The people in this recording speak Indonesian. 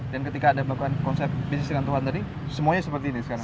dan ketika anda melakukan konsep bisnis dengan tuhan tadi semuanya seperti ini sekarang